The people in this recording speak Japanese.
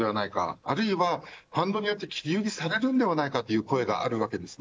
あるいはファンドによって切り売りされるのではないかという声があるわけですね。